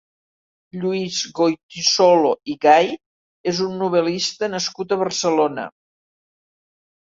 Luis Goytisolo i Gay és un novel·lista nascut a Barcelona.